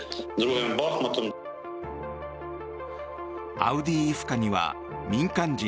アウディイフカには民間人